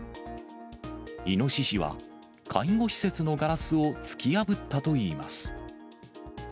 イノシシは、介護施設のガラスを突き破ったといいます。